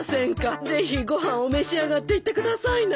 ぜひご飯を召し上がっていってくださいな。